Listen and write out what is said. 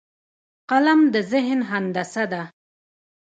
قلم د ذهن هندسه ده